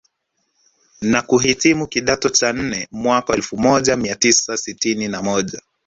Na kuhitimu kidato cha nne mwaka elfu moja mia tisa sitini na moja